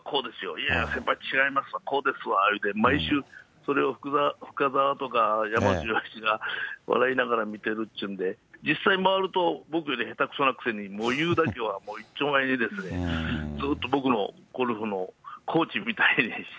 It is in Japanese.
いや先輩違います、こうですわ言うて、毎週、それを深沢とか、山口良一が笑いながら見てるっちゅうんで、実際回ると、僕よりへたくそなくせに、もう言うだけはいっちょ前にですね、ずっと僕のゴルフのコーチみたいでして、